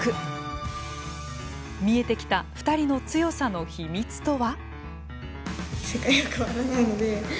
見えてきた２人の強さの秘密とは。